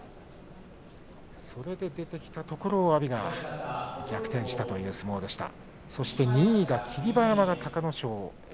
それで出てきたところを阿炎が逆転したという相撲でした。